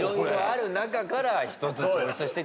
色々ある中から一つ。